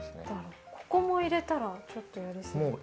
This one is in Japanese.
ここも入れたらちょっとやり過ぎ？